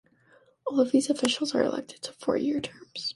All of these officials are elected to four-year terms.